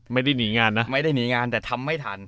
ไม่ได้หนีงานนะไม่ได้หนีงานแต่ทำไม่ทัน